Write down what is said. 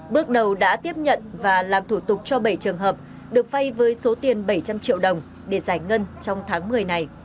bước đầu đã tiếp nhận và làm thủ tục cho bảy trường hợp được phay với số tiền bảy trăm linh triệu đồng để giải ngân trong tháng một mươi này